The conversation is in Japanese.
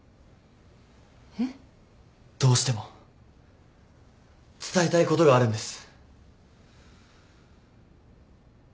えっ？どうしても伝えたいことがあるんです。